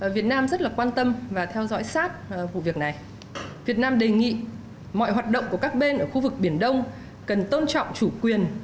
việt nam rất là quan tâm và theo dõi sát vụ việc này việt nam đề nghị mọi hoạt động của các bên ở khu vực biển đông cần tôn trọng chủ quyền